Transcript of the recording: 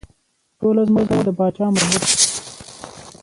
ټوله ځمکه د پاچا مربوط ده.